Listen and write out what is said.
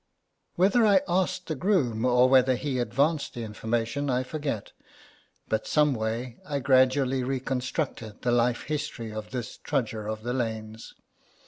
Whether I asked the groom or whether he advanced the information, I forget; but someway I gradually reconstructed the life history^ of this trudger of the lanes.